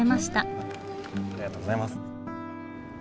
ありがとうございます。